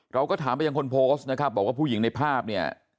เราก็ถามไปยังคนโพสต์นะครับบอกว่าผู้หญิงในภาพเนี่ย